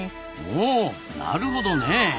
おなるほどねえ。